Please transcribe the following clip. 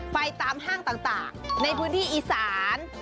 ไปตามห้างต่างในพื้นที่อีสาน